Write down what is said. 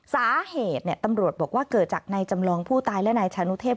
สาเหตุตำรวจบอกว่าเกิดจากนายจำลองผู้ตายและนายชานุเทพ